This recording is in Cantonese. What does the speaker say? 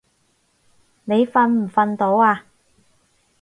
你瞓唔瞓到啊？